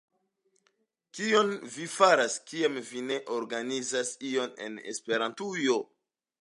Kion vi faras, kiam vi ne organizas ion en Esperantujo?